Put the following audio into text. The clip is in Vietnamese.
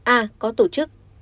a có tổ chức